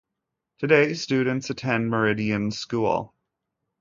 Today students attend Meridian School.